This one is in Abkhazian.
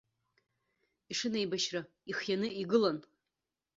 Ишынеибашьра ихианы игылан.